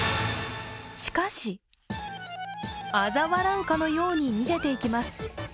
しかし、あざ笑うかのように逃げていきます。